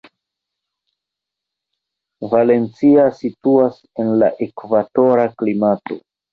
Valencia situas en la ekvatora klimato.